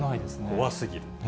怖すぎる。